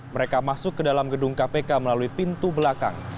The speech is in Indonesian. mereka masuk ke dalam gedung kpk melalui pintu belakang